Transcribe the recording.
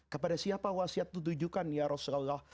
kepada siapa wasiat itu ditujukan ya rasulullah